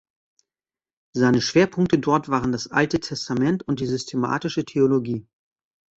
Seine Schwerpunkte dort waren das Alte Testament und die Systematische Theologie.